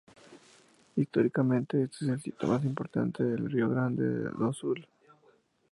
Históricamente este es el sitio más importante del Estado de Río Grande do Sul.